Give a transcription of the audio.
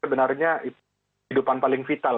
sebenarnya kehidupan paling vital